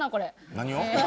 何を？